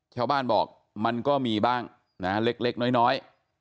ชาวบ้านบอกมันก็มีบ้างนะเล็กน้อย